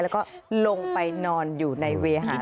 แล้วก็ลงไปนอนอยู่ในเวหา